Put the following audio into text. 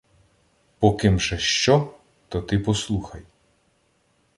Поким же що, то ти послухай